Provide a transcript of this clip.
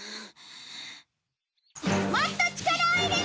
もっと力を入れろ！